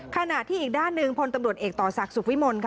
ขณะที่อีกด้านหนึ่งพลตำรวจเอกต่อศักดิ์สุขวิมลค่ะ